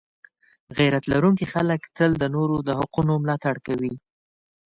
غیرت لرونکي خلک تل د نورو د حقونو ملاتړ کوي.